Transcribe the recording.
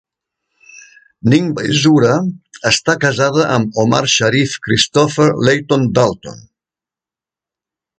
Ning Baizura està casada amb Omar Sharif Christopher Layton Dalton.